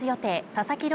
佐々木朗